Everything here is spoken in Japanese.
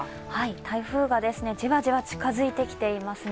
台風がじわじわ近づいてきていますね。